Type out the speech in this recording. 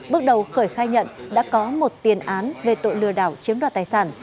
bước đầu khởi khai nhận đã có một tiền án về tội lừa đảo chiếm đoạt tài sản